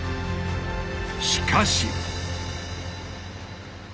しかし！